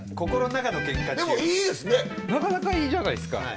なかなかいいじゃないですか。